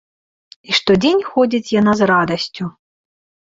І штодзень ходзіць яна з радасцю.